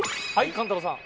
勘太郎さん。